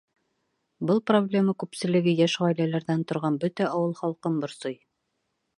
Был проблема күпселеге йәш ғаиләләрҙән торған бөтә ауыл халҡын борсой.